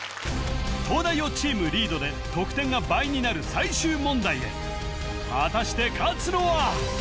東大王チームリードで得点が倍になる最終問題へ果たして勝つのは！？